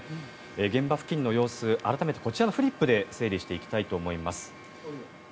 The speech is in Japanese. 現場付近の様子改めてこちらのフリップで整理していきたいと思います。